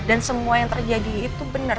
dan semua yang terjadi itu benar